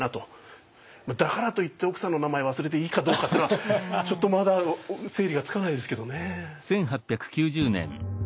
だからといって奥さんの名前忘れていいかどうかっていうのはちょっとまだ整理がつかないですけどね。